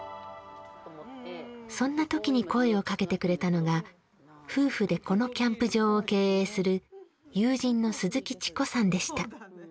そんなときに声をかけてくれたのが夫婦でこのキャンプ場を経営する友人の鈴木智子さんでした。